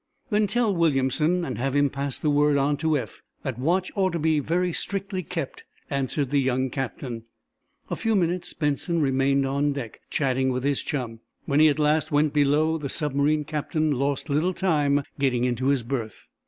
"Then tell Williamson, and have him pass the word on to Eph, that watch ought to be very strictly kept," answered the young captain. A few minutes Benson remained on deck, chatting with his chum. When he at last went below the submarine captain lost little time getting into his berth.